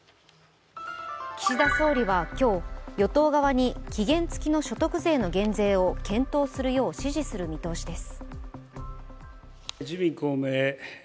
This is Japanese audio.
岸田総理は今日、与党側に期限付きの所得税の減税を検討するよう指示する見通しです。